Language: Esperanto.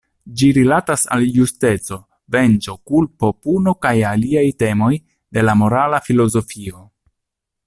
Ĝi rilatas al justeco, venĝo, kulpo, puno kaj aliaj temoj de la morala filozofio.